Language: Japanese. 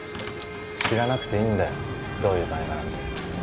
・知らなくていいんだよどういう金かなんて。